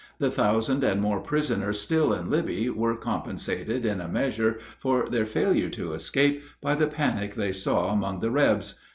The thousand and more prisoners still in Libby were compensated, in a measure, for their failure to escape by the panic they saw among the "Rebs."